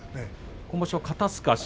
今場所は肩すかし